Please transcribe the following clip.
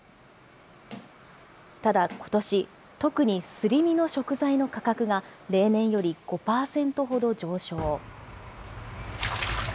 ただ、ことし、特にすり身の食材の価格が、例年より５％ほど上昇。